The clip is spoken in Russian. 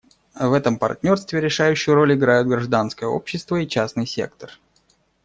В этом партнерстве решающую роль играют гражданское общество и частный сектор.